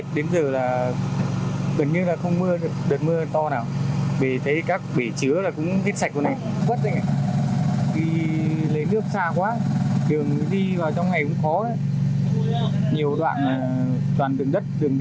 tất cả lấy đường